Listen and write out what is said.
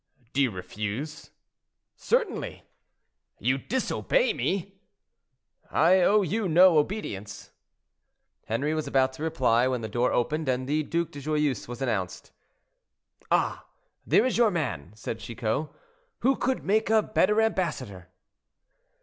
"Do you refuse?"—"Certainly." "You disobey me!" "I owe you no obedience—" Henri was about to reply, when the door opened and the Duc de Joyeuse was announced. "Ah! there is your man," said Chicot; "who could make a better ambassador?"